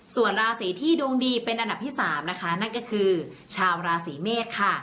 ส่วนราศีที่ดวงดีเป็นอันดับที่๓นะคะนั่นก็คือชาวราศีเมษค่ะ